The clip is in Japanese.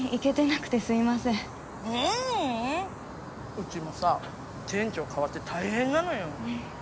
うちもさ店長替わって大変なのよ。